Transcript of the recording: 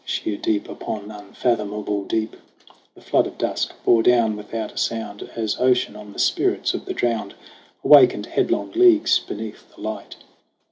Sheer deep upon unfathomable deep The flood of dusk bore down without a sound, As ocean on the spirits of the drowned Awakened headlong leagues beneath the light.